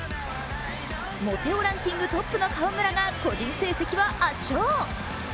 モテ男ランキングトップの河村が個人成績は圧勝。